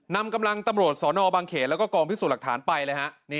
นำกำลังตำรวจสนบางเขตแล้วก็กองพิสูจน์หลักฐานไปเลยฮะ